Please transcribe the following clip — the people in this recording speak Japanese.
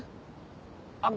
あっ！